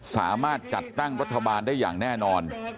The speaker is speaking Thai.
สามารถจัดตั้งรัฐบาลได้อย่างแน่นอน